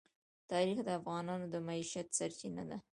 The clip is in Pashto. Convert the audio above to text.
تاریخ د افغانانو د معیشت سرچینه ده.